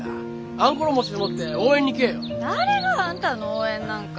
あんころ餅ゅう持って応援に来えよ。誰があんたの応援なんか。